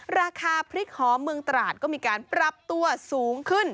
ราคาพริกหอมเมืองตราดก็มีการปรับตัวสูงขึ้น